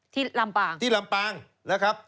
ลำปางที่ลำปางนะครับ